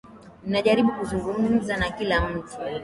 Ninajaribu kuzungumza na kila mtu.